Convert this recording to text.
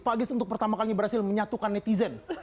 pak geis untuk pertama kalinya berhasil menyatukan netizen